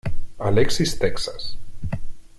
Alexis Texas